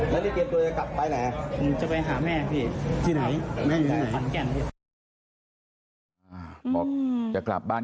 และในเกมด้วยจะกลับไหน